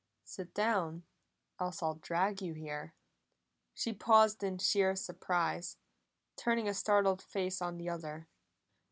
"Sit down, else I'll drag you here!" She paused in sheer surprise, turning a startled face on the other.